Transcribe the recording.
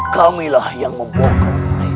kamilah yang membongkok mereka